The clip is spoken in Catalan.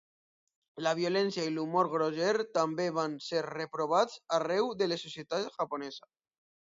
La violència i l'humor groller també van ser reprovats arreu de la societat japonesa.